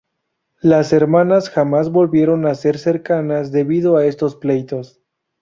Las hermanas jamás volvieron a ser cercanas debido a estos pleitos.